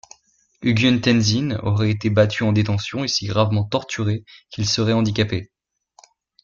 Ugyen Tenzin aurait été battu en détention et si gravement torturé qu'il serait handicapé.